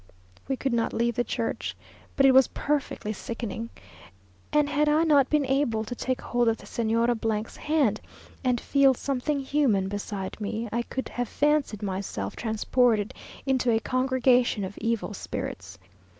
We could not leave the church, but it was perfectly sickening; and had I not been able to take hold of the Señora 's hand, and feel something human beside me, I could have fancied myself transported into a congregation of evil spirits.